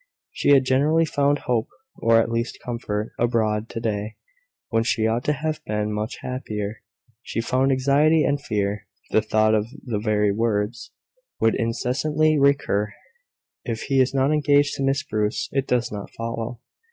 She had generally found hope, or at least comfort, abroad; to day, when she ought to have been much happier, she found anxiety and fear. The thought, the very words, would incessantly recur, `If he is not engaged to Miss Bruce, it does not follow...'